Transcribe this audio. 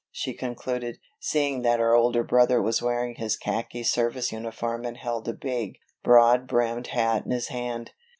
she concluded, seeing that her older brother was wearing his khaki service uniform and held a big, broad brimmed hat in his hand.